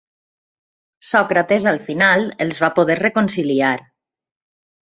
Sòcrates al final els va poder reconciliar.